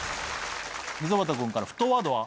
溝端君から沸騰ワードは？